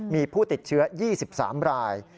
มีผู้ติดเชื้อ๒๓ราย